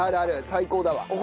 最高だわ。